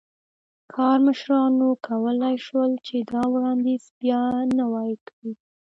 کارمشرانو کولای شول چې دا وړاندیز بیا نوی کړي.